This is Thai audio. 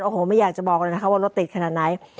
โอ้โหไม่อยากจะบอกเลยนะคะว่ารถติดขนาดไหน